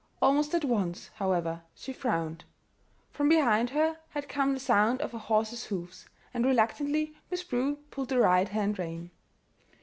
Almost at once, however, she frowned. From behind her had come the sound of a horse's hoofs, and reluctantly Miss Prue pulled the right hand rein.